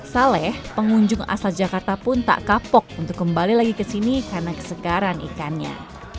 saleh pengunjung asal jakarta pun tak kapok untuk kembali lagi ke sini karena kesegaran ikannya